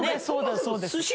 そうですそうです。